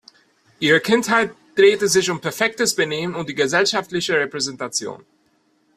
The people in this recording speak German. Ihre Kindheit drehte sich um perfektes Benehmen und die gesellschaftliche Repräsentation.